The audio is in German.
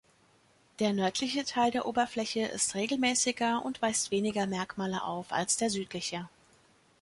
Der nördliche Teil der Oberfläche ist regelmäßiger und weist weniger Merkmale auf als der südliche.